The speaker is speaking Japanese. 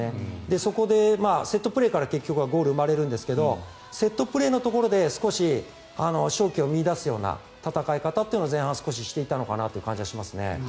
そこでセットプレーから結局はゴールが生まれるんですがセットプレーのところで少し勝機を見いだすような戦い方っていうのを前半は少ししていたのかなという感じはしますね。